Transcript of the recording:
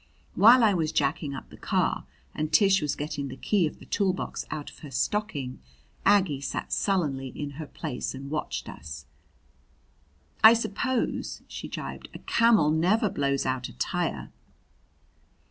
While I was jacking up the car and Tish was getting the key of the toolbox out of her stocking, Aggie sat sullenly in her place and watched us. "I suppose," she gibed, "a camel never blows out a tire!"